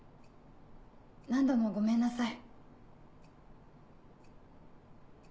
・何度もごめんなさい